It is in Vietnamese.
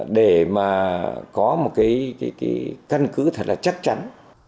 để mà có một cái căn cứ thật là chắc chắn